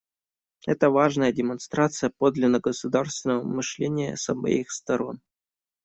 Это важная демонстрация подлинно государственного мышления с обеих сторон.